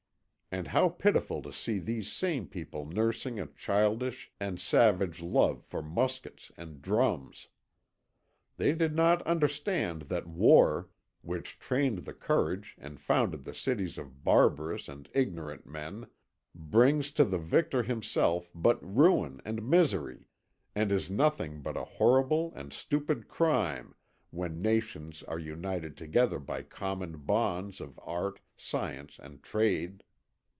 And how pitiful to see these same people nursing a childish and savage love for muskets and drums! They did not understand that war, which trained the courage and founded the cities of barbarous and ignorant men, brings to the victor himself but ruin and misery, and is nothing but a horrible and stupid crime when nations are united together by common bonds of art, science, and trade.